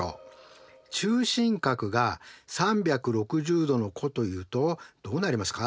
中心角が３６０°の弧というとどうなりますか？